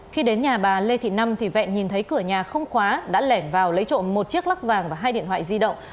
khi đến nhà bà lê thị năm thì vẹn nhìn thấy cửa nhà không khóa đã lẻn vào lấy trộm một chiếc lắc vàng và hai điện thoại di động